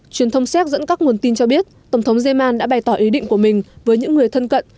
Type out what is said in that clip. truyền thông séc dẫn các nguồn tin cho biết tổng thống yeman đã bày tỏ ý định của mình với những người thân cận